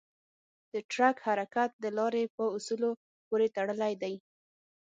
د ټرک حرکت د لارې په اصولو پورې تړلی دی.